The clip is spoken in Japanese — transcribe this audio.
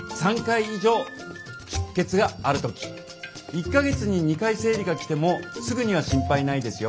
１か月に２回生理がきてもすぐには心配ないですよ。